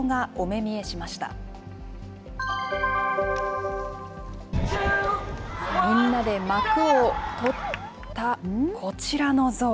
みんなで幕を取ったこちらの像。